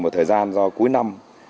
một thời gian do cuối năm